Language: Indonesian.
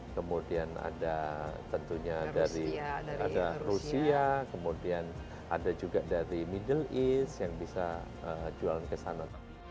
kemudian ada tentunya dari ada rusia kemudian ada juga dari middle east yang bisa jualan ke sana